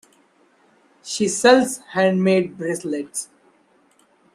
She sells handmade bracelets.